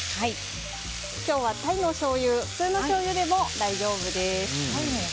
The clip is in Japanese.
今日はタイのおしょうゆ普通のしょうゆでも大丈夫です。